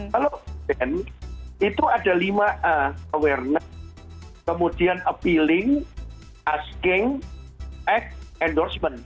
kalau band itu ada lima awareness kemudian appealing asking ex endorsement